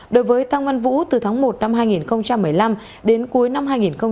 đối với tăng văn vũ từ tháng một năm hai nghìn một mươi năm đến cuối năm hai nghìn một mươi bảy